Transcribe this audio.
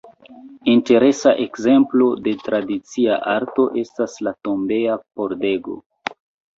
Interesa ekzemplo de tradicia arto estas la tombeja pordego.